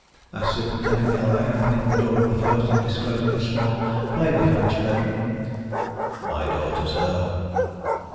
asked Superintendent Galloway, opening the door of the first, and disclosing a small, plainly furnished bedroom. "My daughter, sir."